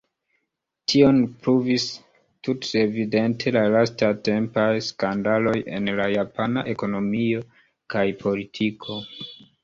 Tion pruvis tutevidente la lastatempaj skandaloj en la japana ekonomio kaj politiko.